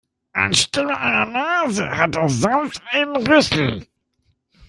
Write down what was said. Anstelle einer Nase hat das Sams einen Rüssel.